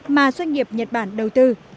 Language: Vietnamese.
mà doanh nghiệp nhật bản đầu tư